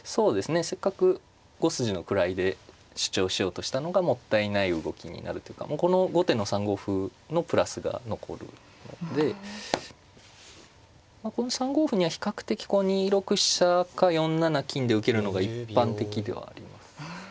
せっかく５筋の位で主張しようとしたのがもったいない動きになるというかこの後手の３五歩のプラスが残るのでこの３五歩には比較的２六飛車か４七金で受けるのが一般的ではあります。